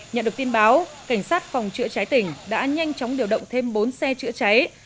nhận được tin báo cảnh sát phòng chữa cháy tỉnh đã nhanh chóng điều động thêm bốn xe chữa cháy